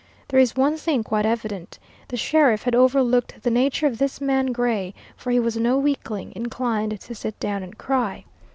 There is one thing quite evident: the sheriff had overlooked the nature of this man Gray, for he was no weakling, inclined to sit down and cry.